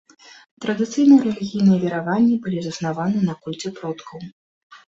Традыцыйныя рэлігійныя вераванні былі заснаваны на кульце продкаў.